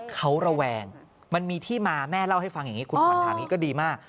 เขาระแวงมันมีที่มาแม่เล่าให้ฟังอย่างนี้คุณขวัญธานีก็ดีมาก